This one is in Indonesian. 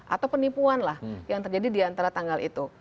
atau penipuan lah yang terjadi diantara tanggal itu